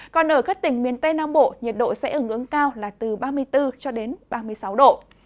còn ở các tỉnh miền tây nam bộ nhiệt độ sẽ ứng ứng cao là từ ba mươi bốn ba mươi sáu độ